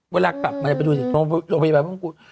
เวลากลับมาดูโรงพยาบาลบ้างกู